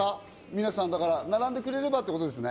皆さん、並んでくれればってことですね。